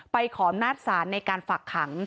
ไปขอบนาฏศาสตร์ในการฝักขัง